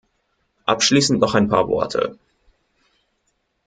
Abschließend noch ein paar Worte.